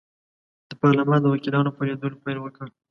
د پارلمان د وکیلانو په لیدلو پیل وکړ.